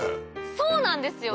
そうなんですよ。